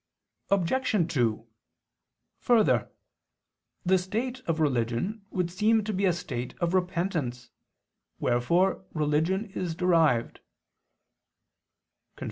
Obj. 2: Further, the state of religion would seem to be a state of repentance; wherefore religion is derived [*Cf.